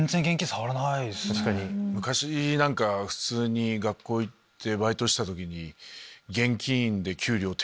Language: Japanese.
昔なんか普通に学校行ってバイトしてた時に。